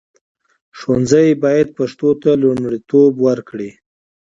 ښوونځي باید پښتو ته لومړیتوب ورکړي.